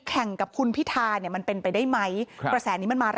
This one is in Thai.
แข่งกับคุณพิทามันเป็นไปได้ไหม